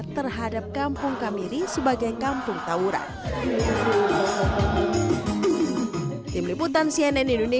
terhadap kegiatan kegiatan yang terjadi di bulan ramadan